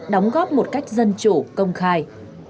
đóng góp một cách dân chủ công khai